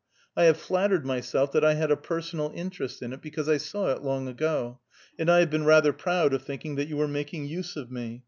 I have flattered myself that I had a personal interest in it, because I saw it long ago, and I have been rather proud of thinking that you were making use of me.